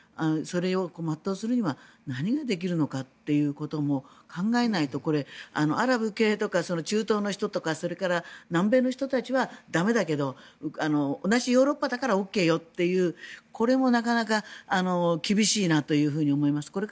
それを全うするには何ができるのかっていうことも考えないとこれ、アラブ系とか中東の人とかそれから南米の人たちは駄目だけど同じヨーロッパだからＯＫよという、これもなかなか厳しいなと思います。